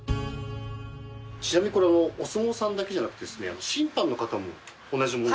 ちなみにこれお相撲さんだけじゃなくてですね審判の方も同じものを。